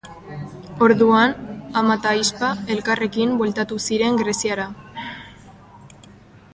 Orduan, ama eta ahizpa elkarrekin bueltatu ziren Greziara.